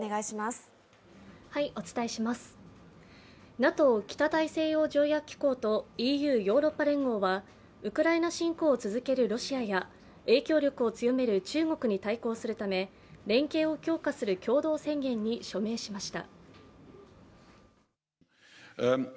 ＮＡＴＯ＝北大西洋条約機構とＥＵ＝ヨーロッパ連合はウクライナ侵攻を続けるロシアや影響力を強める中国に対抗するため連携を強化する共同宣言に署名しました。